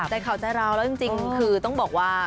ใจข่าวใจเราแล้วจริงคือต้องบอกว่า